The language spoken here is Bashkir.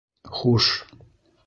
— Хуш!..